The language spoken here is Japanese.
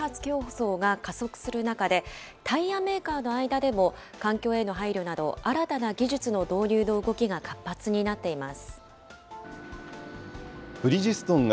そうしたＥＶや自動運転技術などの開発競争が加速する中で、タイヤメーカーの間でも、環境への配慮など、新たな技術の導入の動きが活発になっています。